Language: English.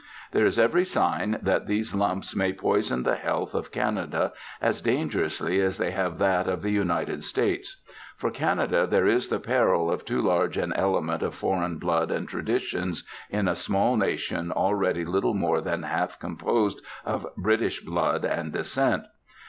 There is every sign that these lumps may poison the health of Canada as dangerously as they have that of the United States. For Canada there is the peril of too large an element of foreign blood and traditions in a small nation already little more than half composed of British blood and descent.